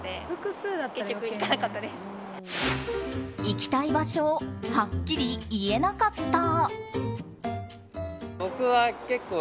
行きたい場所をはっきり言えなかった。